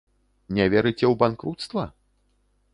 Не верыце ў банкруцтва?